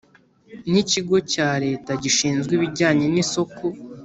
N ikigo cya leta gishinzwe ibijyanye n isoko